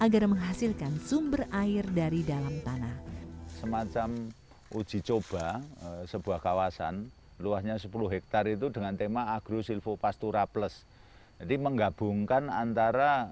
saya pasti akan tetap di wisata